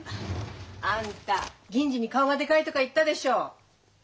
あんた銀次に「顔がでかい」とか言ったでしょ。